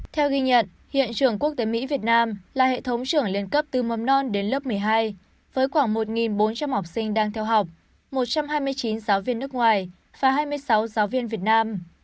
theo ghi nhận hiện trường quốc tế mỹ việt nam là hệ thống trưởng liên cấp từ mầm non đến lớp một mươi hai với khoảng một bốn trăm linh học sinh đang theo học một trăm hai mươi chín giáo viên nước ngoài và hai mươi sáu giáo viên việt nam